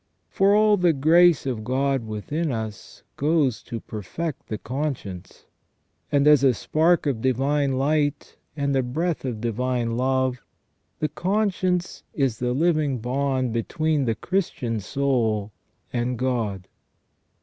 For all the grace of God within us goes to perfect the conscience; and as a spark of divine light and a breath of divine love, the conscience is the living bond between the Christian soul and God.